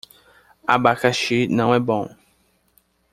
Abacaxi não é bom